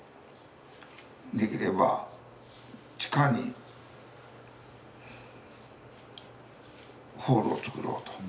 できれば地下にホールをつくろうと。